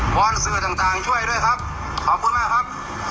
อนสื่อต่างช่วยด้วยครับขอบคุณมากครับ